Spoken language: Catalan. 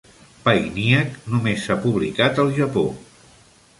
"Painiac" només s'ha publicat al Japó.